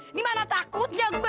ini mana takutnya gue